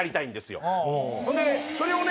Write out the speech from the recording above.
ほんでそれをね